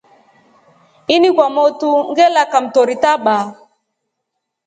Ini kwa motru ngela kamtori taba.